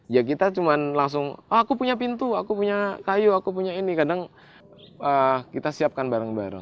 ya kita cuma langsung aku punya pintu aku punya kayu aku punya ini kadang kita siapkan bareng bareng